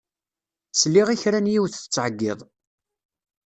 Sliɣ i kra n yiwet tettɛeyyiḍ.